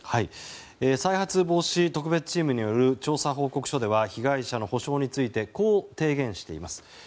再発防止特別チームによる調査報告書では被害者の補償についてこう提言しています。